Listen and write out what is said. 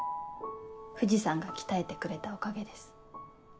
藤さんが鍛えてくれたおかげです。